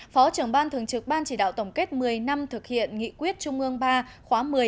phó trưởng ban thường trực ban chỉ đạo tổng kết một mươi năm thực hiện nghị quyết trung ương ba khóa một mươi